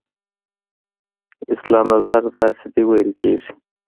اسلام نظر داسې دی ویل کېږي.